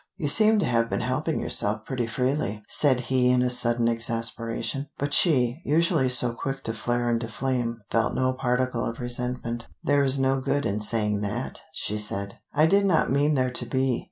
"You seem to have been helping yourself pretty freely," said he in a sudden exasperation. But she, usually so quick to flare into flame, felt no particle of resentment. "There is no good in saying that," she said. "I did not mean there to be.